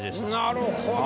なるほど。